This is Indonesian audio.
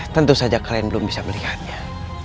tentu saja kalian belum bisa melihatnya